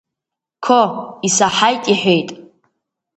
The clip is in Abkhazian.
Қо, исаҳаит, — иҳәеит.